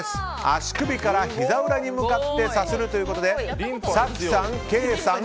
足首からひざ裏に向かってさするということで早紀さん、ケイさん